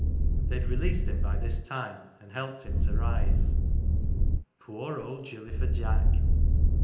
They had released him by this time and helped him to rise. Poor old Gilly fer Jack